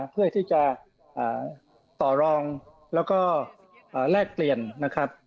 เพื่อที่จะต่อรองแล้วก็แลกเปลี่ยนนะครับ